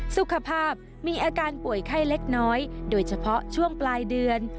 สุขภาพมีอาการป่วยไข้เล็กน้อยโดยเฉพาะช่วงปลายเดือน